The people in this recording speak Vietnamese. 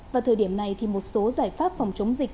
vào thời điểm này thì một số giải pháp phòng chống dịch